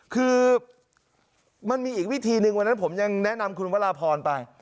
คือมันมีอีกวิธีหนึ่งวันนั้นผมยังแนะนำคุณวราพรไป